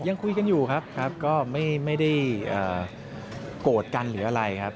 ยังคุยกันอยู่ครับครับก็ไม่ได้โกรธกันหรืออะไรครับ